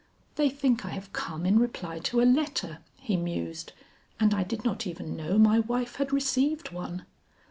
"They think I have come in reply to a letter," he mused, "and I did not even know my wife had received one."